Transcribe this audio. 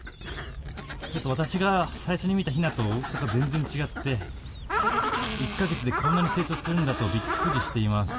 私が最初に見たひなと大きさが全然違って１か月でこんなに成長するんだとビックリしています。